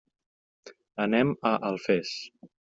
Anem a Alfés.